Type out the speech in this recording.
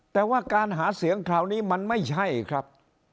แต่ว่าการหาเสียงคราวนี้มันไม่ใช่ครับ